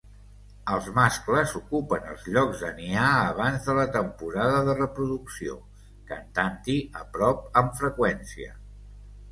Els mascles ocupen els llocs de niar abans de la temporada de reproducció cantant-hi a prop amb freqüència.